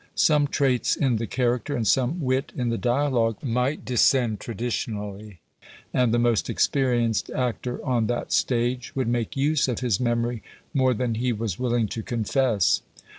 Some traits in the character, and some wit in the dialogue, might descend traditionally; and the most experienced actor on that stage would make use of his memory more than he was willing to confess.